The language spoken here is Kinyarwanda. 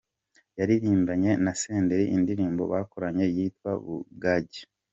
Yaririmbanye na Senderi indirimbo bakoranye yitwa Bugacya.